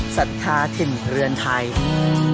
สัตธาทินพิจารณ์